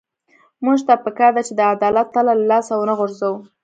موږ ته پکار ده چې د عدالت تله له لاسه ونه غورځوو.